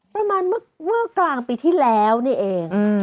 ประมาณเมื่อกลางปีที่แล้วนี่เอง